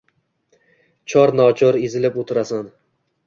Chor-nochor ezilib o’tirasan.